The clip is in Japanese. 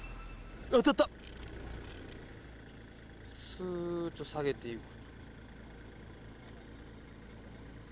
すっと下げていく。